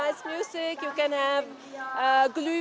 bạn có thể có bài hát tốt